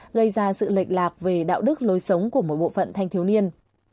gây ra sự lệch lạc về đạo đức lối sống của một bộ phận thanh thiếu niên